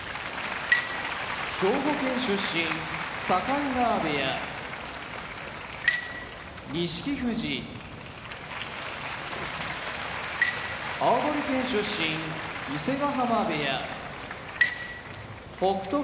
兵庫県出身境川部屋錦富士青森県出身伊勢ヶ濱部屋北勝